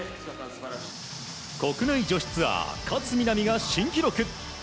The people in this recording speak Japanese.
国内女子ツアー勝みなみが新記録。